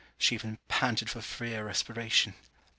She even panted for freer respiration.